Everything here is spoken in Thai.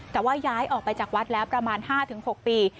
แต่ว่าย้ายออกไปจากวัดแล้วประมาณ๕๖ปี